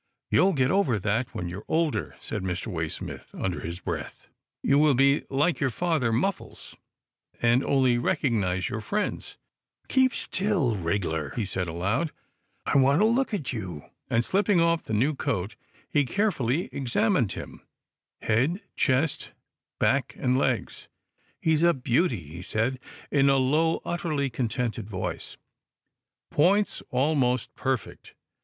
You'll get over that when you are older," said Mr. Waysmith under his breath, " you will be like your father Muffles, and only recognize your friends — Keep still, wriggler," he said aloud. " I want to look at you," and, slipping off the new coat, he carefully examined him, head, chest, back and legs. " He's a beauty," he said in a low, utterly contented voice, " points almost perfect.